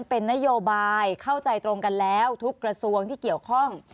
เป็นนโยบายเข้าใจตรงกันแล้วทุกกระทรวงที่เกี่ยวข้อง